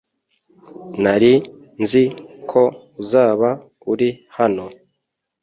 Nari nzi ko uzaba uri hano .